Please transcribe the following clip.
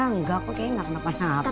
nggak kok kayaknya gak kena apa apa